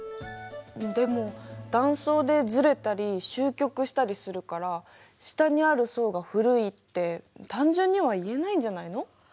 でも断層でずれたりしゅう曲したりするから下にある層が古いって単純には言えないんじゃないの？